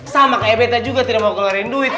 sama kayak beta juga tidak mau keluarin duit